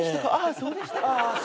そうでしたか。